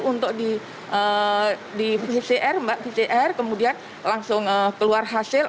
untuk di pcr mbak pcr kemudian langsung keluar hasil